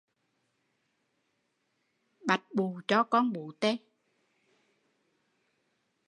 Bạch bụ cho con bú